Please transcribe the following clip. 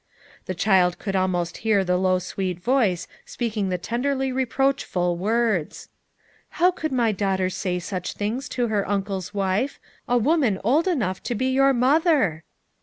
The child could almost hear the low sweet voice speaking the tenderly reproachful words: "How could my daughter say such things to her uncle's wife, a woman old enough to be your mother!"